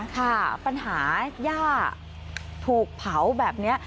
ค่ะปัญหาย่าถูกเผาแบบนี้